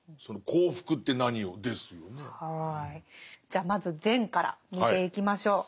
じゃあまず善から見ていきましょう。